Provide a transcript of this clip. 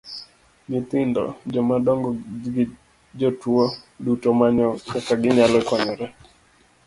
Nyithindo, joma dongo gi jotuo duto manyo kaka ginyalo konyore.